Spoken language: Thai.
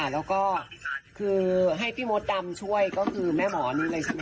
แล้วก็คือให้พี่มดดำช่วยก็คือแม่หมอนี้เลยใช่ไหม